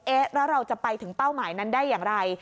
แล้วเราจะไปถึงเป้าหมายนั้นได้อย่างไร